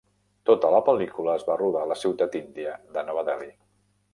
Tota la pel·lícula es va rodar a la ciutat índia de Nova Delhi.